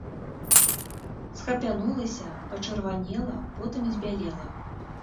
Схапянулася, пачырванела, потым збялела.